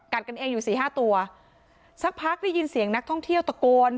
กันเองอยู่สี่ห้าตัวสักพักได้ยินเสียงนักท่องเที่ยวตะโกน